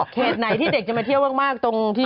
ไหนที่เด็กจะมาเที่ยวมากตรงที่